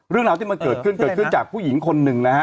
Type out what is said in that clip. เรื่องราวที่มันเกิดขึ้นเกิดขึ้นจากผู้หญิงคนหนึ่งนะฮะ